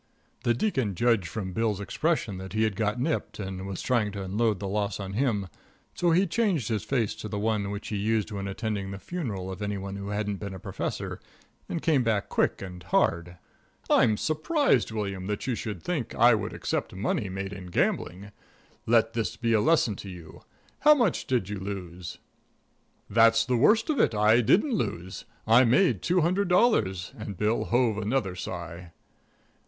The Deacon judged from Bill's expression that he had got nipped and was going to try to unload the loss on him, so he changed his face to the one which he used when attending the funeral of any one who hadn't been a professor, and came back quick and hard: "I'm surprised, William, that you should think I would accept money made in gambling. Let this be a lesson to you. How much did you lose?" "That's the worst of it I didn't lose; I made two hundred dollars," and Bill hove another sigh.